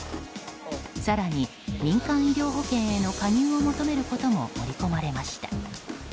更に民間医療保険への加入を求めることも盛り込まれました。